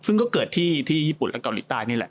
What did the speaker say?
ซึ่งก็เกิดที่ญี่ปุ่นและเกาหลีใต้นี่แหละ